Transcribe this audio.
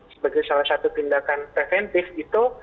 sebagai salah satu tindakan preventif itu